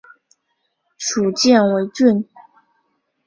属犍为郡。